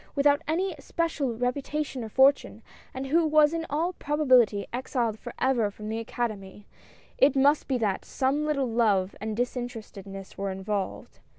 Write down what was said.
without any especial reputation or fortune, and who was in all probability exiled forever from the Academy — it must be that some little love and disinterested ness were involved.